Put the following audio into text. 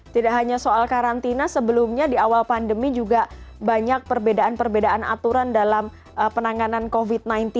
tidak hanya soal karantina sebelumnya di awal pandemi juga banyak perbedaan perbedaan aturan dalam penanganan covid sembilan belas